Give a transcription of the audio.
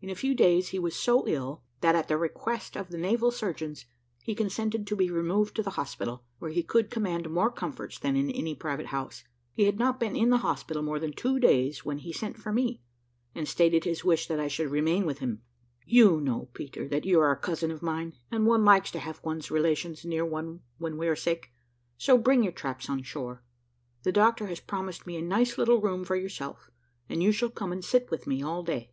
In a few days he was so ill, that, at the request of the naval surgeons, he consented to be removed to the hospital, where he could command more comforts than in any private house. He had not been in the hospital more than two days, when he sent for me, and stated his wish that I should remain with him. "You know, Peter, that you are a cousin of mine, and one likes to have one's relations near one when we are sick, so bring your traps on shore. The doctor has promised me a nice little room for yourself, and you shall come and sit with me all day."